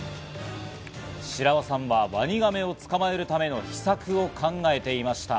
白輪さんはワニガメを捕まえるための秘策を考えていました。